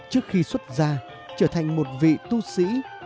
trước khi xuất ra trở thành một vị tu sĩ